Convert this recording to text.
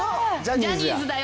ジャニーズだよ。